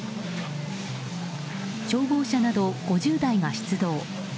消防車など５０台が出動。